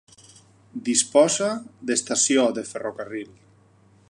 Disposa d'estació de ferrocarril.